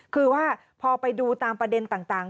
คือว่าพอไปดูตามประเด็นต่าง